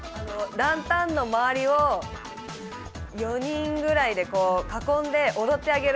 ランタンの周りを４人ぐらいで囲んで踊ってあげる。